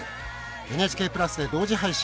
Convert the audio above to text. ＮＨＫプラスで、同時配信